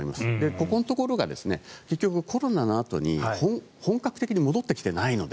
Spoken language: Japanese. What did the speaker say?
ここのところが結局コロナのあとに本格的に戻ってきてないので。